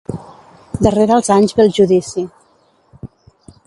Darrere els anys ve el judici.